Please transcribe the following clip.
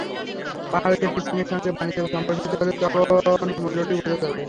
পাহাড় কেটে চীনের সঙ্গে বাণিজ্য সম্প্রসারিত হলে তখন মূল্যটি বোঝা যাবে।